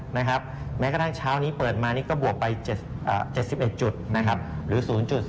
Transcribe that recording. แม้แม้กระทำเช้านี้เปิดมาก็บวกไป๗๑จุดหรือ๐๓๔